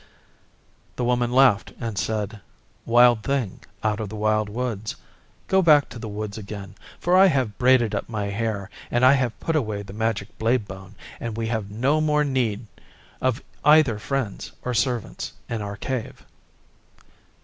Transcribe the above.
The Woman laughed and said, 'Wild Thing out of the Wild Woods, go back to the Woods again, for I have braided up my hair, and I have put away the magic blade bone, and we have no more need of either friends or servants in our Cave.